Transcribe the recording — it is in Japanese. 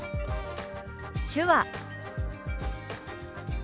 「手話」。